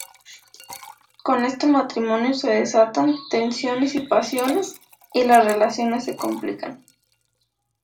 Con este matrimonio se desatan tensiones y pasiones y las relaciones se complican.